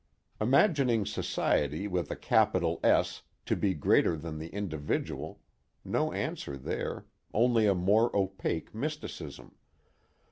Imagining Society with a capital S to be greater than the individual no answer there, only a more opaque mysticism.